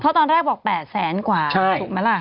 เพราะตอนแรกบอก๘แสนกว่าถูกไหมล่ะ